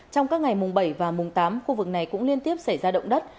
trong các ngày mùng bảy và mùng tám khu vực này cũng liên tiếp xảy ra động đất